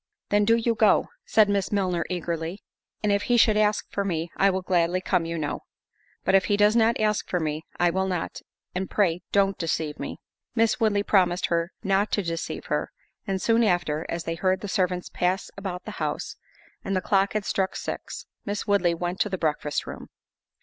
"Then do you go," said Miss Milner, eagerly; "and if he should ask for me, I will gladly come, you know; but if he does not ask for me, I will not—and pray don't deceive me." Miss Woodley promised her not to deceive her; and soon after, as they heard the servants pass about the house, and the clock had struck six, Miss Woodley went to the breakfast room.